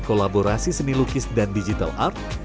kolaborasi seni lukis dan digital art